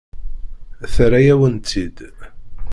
Terra-yawen-tt-id.